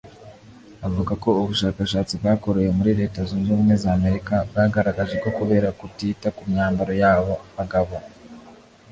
avuga ko ubushakashatsi bwakorewe muri Leta Zunze Ubumwe za Amerika bwagaragaje ko kubera kutita ku myambaro yabo abagabo